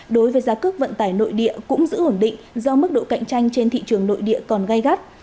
đối với giá cước vận tải nội địa cũng giữ ổn định do mức độ cạnh tranh trên thị trường nội địa còn gây gắt